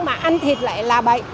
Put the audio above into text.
mà ăn thịt lại là bệnh